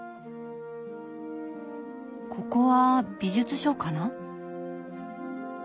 ここは美術書かな？